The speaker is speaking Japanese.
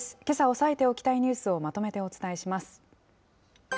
けさ押さえておきたいニュースをまとめてお伝えします。